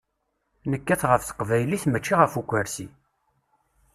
Nekkat ɣef teqbaylit, mačči ɣef ukersi.